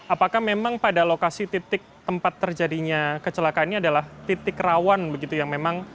apakah memang pada lokasi titik tempat terjadinya kecelakaan ini adalah titik rawan begitu yang memang